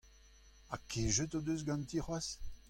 Ha kejet o deus ganti c'hoazh ?